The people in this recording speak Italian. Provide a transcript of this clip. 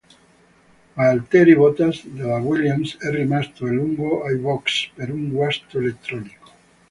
Valtteri Bottas, della Williams, è rimasto a lungo ai box, per un guasto elettronico.